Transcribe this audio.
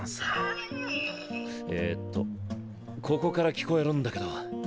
ええとここから聞こえるんだけど。